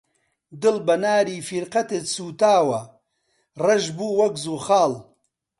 دڵ بە ناری فیرقەتت سووتاوە، ڕەش بوو وەک زوخاڵ